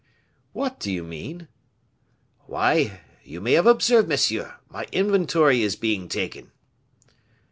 "What do you mean?" "Why, you may have observed, monsieur, my inventory is being taken."